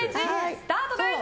スタートです！